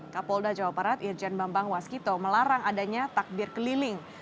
kapolda jawa barat irjen bambang waskito melarang adanya takbir keliling